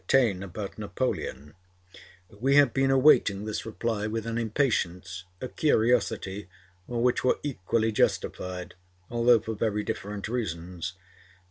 Taine about Napoleon, we have been awaiting this reply with an impatience, a curiosity which were equally justified, although for very different reasons, by M.